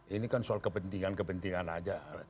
ini kan soal kepentingan kepentingan aja